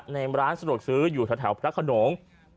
ในร้านสะดวกซื้ออยู่แถวพระขนง